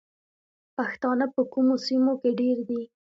پښتانه په کومو سیمو کې ډیر دي؟